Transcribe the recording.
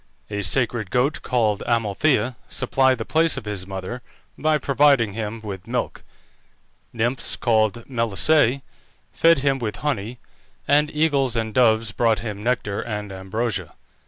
A sacred goat, called Amalthea, supplied the place of his mother, by providing him with milk; nymphs, called Melissae, fed him with honey, and eagles and doves brought him nectar and ambrosia.